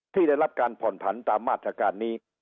ได้รับการผ่อนผันตามมาตรการนี้